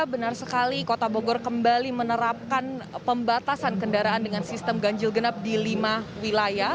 benar sekali kota bogor kembali menerapkan pembatasan kendaraan dengan sistem ganjil genap di lima wilayah